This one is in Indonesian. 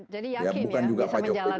jadi yakin ya bisa menjalankannya dengan baik